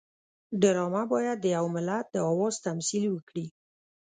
ډرامه باید د یو ملت د آواز تمثیل وکړي